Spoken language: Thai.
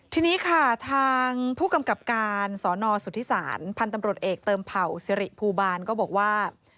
ทีนี้ค่ะทางผู้กำกับการสนสุธิศาลพันธ์ตำรวจเอกเติมเผ่าสิริภูบาลก็บอกว่า